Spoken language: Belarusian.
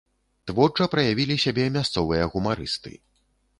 Творча праявілі сябе мясцовыя гумарысты.